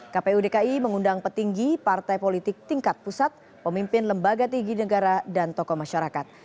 kpu dki mengundang petinggi partai politik tingkat pusat pemimpin lembaga tinggi negara dan tokoh masyarakat